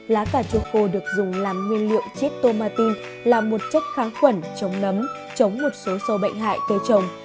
lá cà chua khô được dùng làm nguyên liệu chít tomatin là một chất kháng khuẩn chống nấm chống một số sâu bệnh hại cây trồng